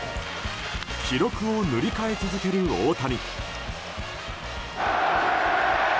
記録を塗り替え続ける大谷。